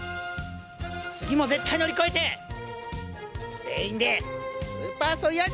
次も絶対乗り越えて全員でスーパーソイヤ人になっぞ！